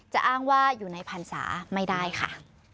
จะอ้างว่าอยู่ในผันสาไม่ได้ค่ะ